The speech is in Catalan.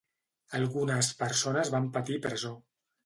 Algunes persones van patir presó.